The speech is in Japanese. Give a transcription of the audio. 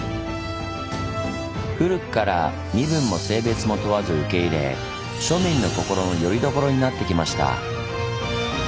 古くから身分も性別も問わず受け入れ庶民の心のよりどころになってきました。